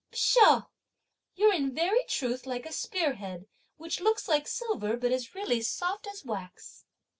Pshaw! you're, in very truth, like a spear head, (which looks) like silver, (but is really soft as) wax!"